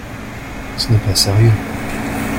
Ce n’est pas sérieux